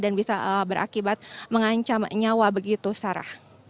dan bisa berakibat mengancam nyawa begitu syarah